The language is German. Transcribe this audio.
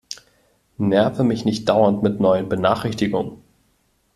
Nerve mich nicht dauernd mit neuen Benachrichtigungen!